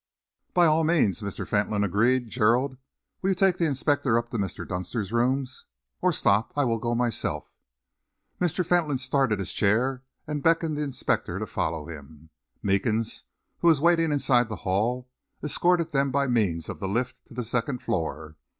"By all means," Mr. Fentolin agreed. "Gerald, will you take the inspector up to Mr. Dunster's rooms? Or stop, I will go myself." Mr. Fentolin started his chair and beckoned the inspector to follow him. Meekins, who was waiting inside the hall, escorted them by means of the lift to the second floor.